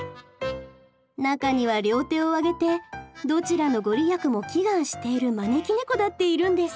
中には両手を上げてどちらの御利益も祈願している招き猫だっているんです。